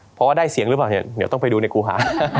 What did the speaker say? เพราะว่าได้เสียงหรือเปล่าเนี่ยเดี๋ยวต้องไปดูในกูหา